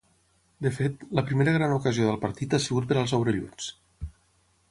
De fet, la primera gran ocasió del partit ha sigut per als orelluts.